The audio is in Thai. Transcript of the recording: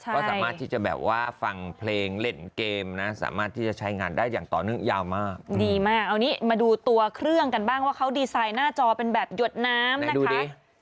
ก็สามารถที่จะแบบว่าฟังเพลงเล่นเกมนะสามารถที่จะใช้งานได้อย่างต่อเนื่องยาวมากดีมากเอานี้มาดูตัวเครื่องกันบ้างว่าเขาดีไซน์หน้าจอเป็นแบบหยดน้ำนะคะ